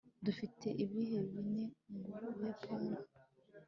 dufite ibihe bine mu buyapani